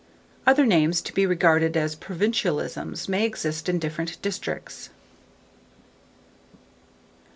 Other names, to be regarded as provincialisms, may exist in different districts.